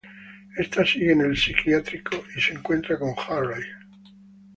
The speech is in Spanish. Esta sigue en el psiquiátrico, y se encuentra con Hurley.